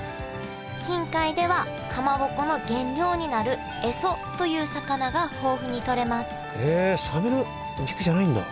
近海ではかまぼこの原料になるエソという魚が豊富にとれますへえ。